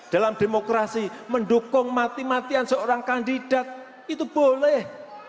dalam demokrasi mendukung mati matian seorang kandidat itu boleh